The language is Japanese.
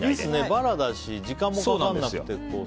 バラだし、時間もかからなくて。